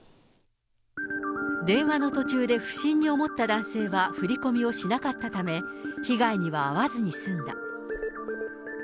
電話の途中で不審に思った男性は振り込みをしなかったため、被害には遭わずに済んだ。